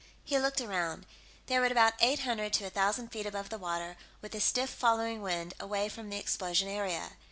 He looked around. They were at about eight hundred to a thousand feet above the water, with a stiff following wind away from the explosion area.